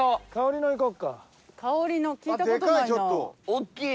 おっきい！